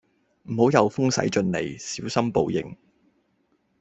唔好有風使盡 𢃇， 小心報應